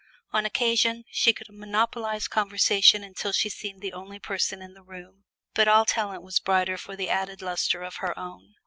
On occasion, she could monopolize conversation until she seemed the only person in the room; but all talent was brighter for the added luster of her own.